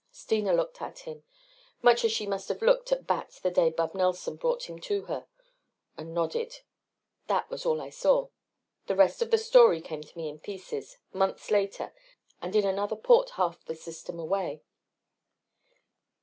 Steena looked at him, much as she must have looked at Bat the day Bub Nelson brought him to her, and nodded. That was all I saw. The rest of the story came to me in pieces, months later and in another port half the System away.